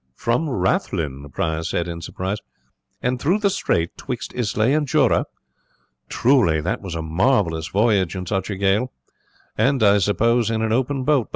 "From Rathlin!" the prior said in surprise, "and through the strait 'twixt Islay and Jura! Truly that was a marvellous voyage in such a gale and as I suppose, in an open boat.